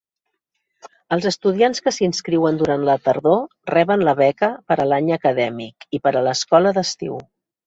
Els estudiants que s'hi inscriuen durant la tardor reben la beca per a l'any acadèmic i per a l'escola d'estiu.